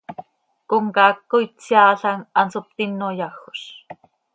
Comcaac coi tseaalam, hanso ptino yajoz.